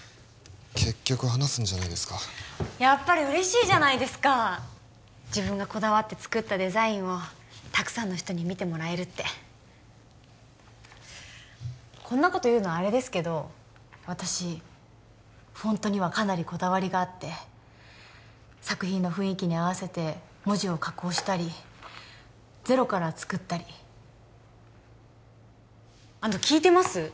結局話すんじゃないですかやっぱり嬉しいじゃないですか自分がこだわって作ったデザインをたくさんの人に見てもらえるってこんなこと言うのあれですけど私フォントにはかなりこだわりがあって作品の雰囲気に合わせて文字を加工したりゼロから作ったりあの聞いてます？